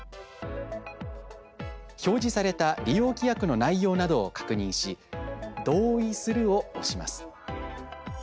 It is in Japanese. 表示された「利用規約の内容」などを確認し「同意する」を押します。